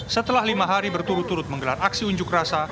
setelah lima hari berturut turut menggelar aksi unjuk rasa